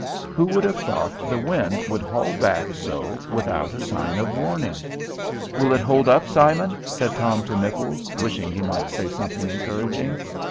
Who would have thought the wind would haul back so without a sign of warning? "Will it hold up, Simon?" said Tom to Mipples, wishing he might say something encouraging.